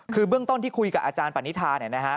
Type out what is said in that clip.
คือเบื้องต้นที่คุยกับอาจารย์ปณิธาเนี่ยนะฮะ